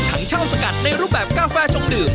เช่าสกัดในรูปแบบกาแฟชงดื่ม